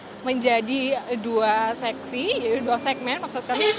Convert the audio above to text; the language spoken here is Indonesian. terbagi menjadi dua segmen